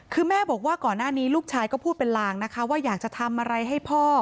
คือแม่บอกว่าก่อนหน้านี้ลูกชายก็พูดเป็นลางนะคะว่าอยากจะทำอะไรให้พ่อ